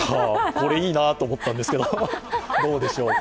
これいいなと思ったんですけどどうでしょうか。